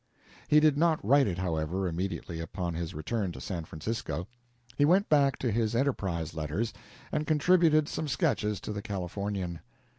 He did not write it, however, immediately upon his return to San Francisco. He went back to his "Enterprise" letters and contributed some sketches to the Californian.